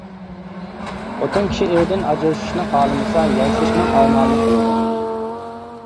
خوتۇن كىشى ئېرىدىن ئاجرىشىشنى خالىمىسا، يارىشىشنىڭ ئامالىنى قىلىدۇ.